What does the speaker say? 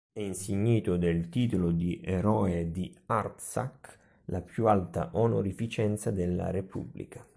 É insignito del titolo di Eroe di Artsakh, la più alta onorificenza della repubblica.